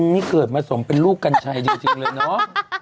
นี่เกิดมาสมเป็นลูกกัญชัยจริงเลยเนาะ